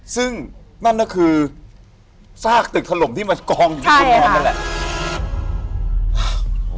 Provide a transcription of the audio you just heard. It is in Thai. ซึ่งนั่นน่ะคือสากตึกถล่มที่มัดกองอยู่ในนอน